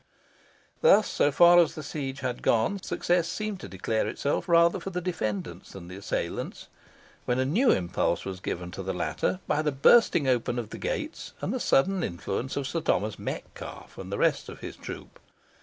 Thus, so far as the siege had gone, success seemed to declare itself rather for the defenders than the assailants, when a new impulse was given to the latter, by the bursting open of the gates, and the sudden influx of Sir Thomas Metcalfe and the rest of his troop.